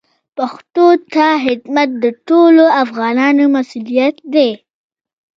پښتو ته خدمت د ټولو افغانانو مسوولیت دی.